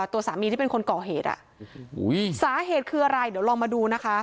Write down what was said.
ตัวสามีที่เป็นคนก่อเหตุอ่ะโอ้โหสาเหตุคืออะไรเดี๋ยวลองมาดูนะคะ